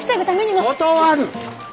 断る！